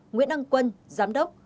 nguyễn ân quân giám đốc